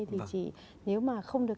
thì chỉ nếu mà không được